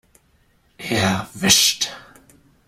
Erwischt!